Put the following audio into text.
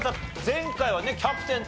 前回のキャプテン。